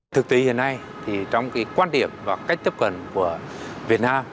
thực tế hiện nay thì trong cái quan điểm và cách tiếp cận của việt nam